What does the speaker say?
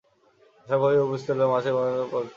আশার ভয় উপস্থিত হইল, পাছে মহেন্দ্র পরীক্ষা করে।